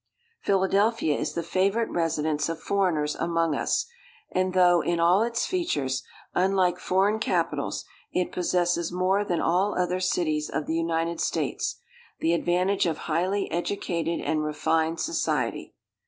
Philadelphia is the favourite residence of foreigners among us; and though, in all its features, unlike foreign capitals, it possesses more than all other cities of the United States, the advantage of highly educated and refined society.